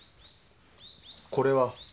これは？